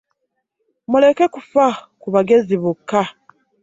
Muleke kufa ku bagezi bokka.